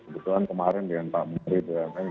kebetulan kemarin dengan pak menteri bumn